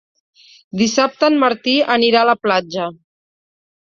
Dissabte en Martí anirà a la platja.